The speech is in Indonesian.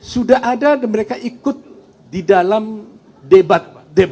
sudah ada mereka ikut di dalam debat